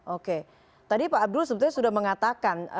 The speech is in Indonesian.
oke tadi pak abdul sebetulnya sudah mengatakan